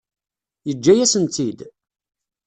Yeǧǧa-yasen-tt-id?